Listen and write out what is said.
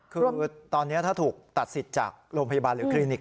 คือตอนนี้ถ้าถูกตัดสิทธิ์จากโรงพยาบาลหรือคลินิก